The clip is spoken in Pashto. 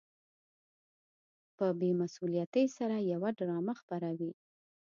په بې مسؤليتۍ سره يوه ډرامه خپروي.